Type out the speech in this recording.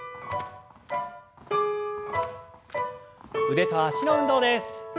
腕と脚の運動です。